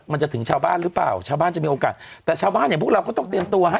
มันจะถึงชาวบ้านหรือเปล่าชาวบ้านจะมีโอกาสแต่ชาวบ้านอย่างพวกเราก็ต้องเตรียมตัวฮะ